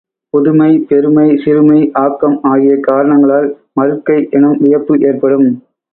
புதுமை, பெருமை, சிறுமை, ஆக்கம் ஆகிய காரணங்களால் மருட்கை எனும் வியப்பு ஏற்படும்.